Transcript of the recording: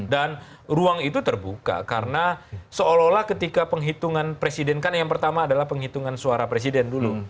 dan ruang itu terbuka karena seolah olah ketika penghitungan presiden kan yang pertama adalah penghitungan suara presiden dulu